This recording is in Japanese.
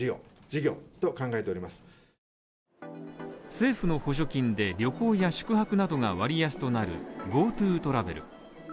政府の補助金で旅行や宿泊などが割安となるＧｏＴｏトラベル。